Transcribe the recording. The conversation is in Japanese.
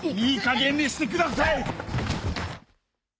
いいかげんにしてください！